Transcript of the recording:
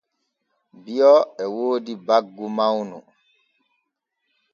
Bio e woodi baggu mawnu.